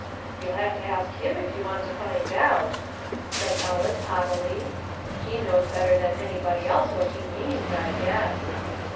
"You'll have to ask him if you want to find out," said Ellis haughtily. "He knows better than anybody else what he means, I guess."